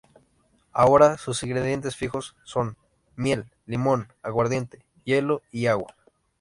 Ahora, sus ingredientes fijos son: miel, limón, aguardiente, hielo y agua.